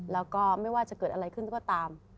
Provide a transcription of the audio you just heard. แล้วก็ไม่ว่าจะเกิดอะไรขึ้นก็ตาม